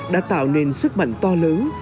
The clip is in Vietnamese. đã tạo nên sức mạnh to lớn